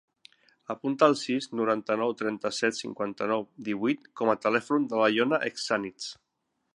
Apunta el sis, noranta-nou, trenta-set, cinquanta-nou, divuit com a telèfon de l'Iona Etxaniz.